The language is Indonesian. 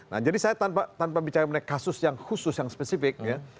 nah jadi saya tanpa bicara mengenai kasus yang khusus yang spesifik ya